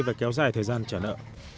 và kéo dài thời gian trả nợ